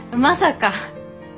まさか。